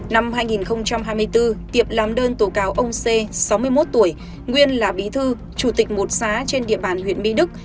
năm hai nghìn hai mươi bốn tiệp làm đơn tố cáo ông c sáu mươi một tuổi nguyên là bí thư chủ tịch một xá trên địa bàn huyện mỹ đức